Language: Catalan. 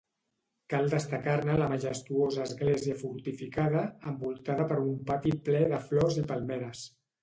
Cal destacar-ne la majestuosa església fortificada, envoltada per un pati ple de flors i palmeres.